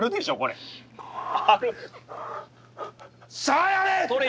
さあやれ！